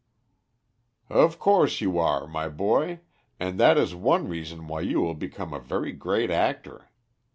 "Of course you are, my boy; and that is one reason why you will become a very great actor.